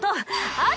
あっ！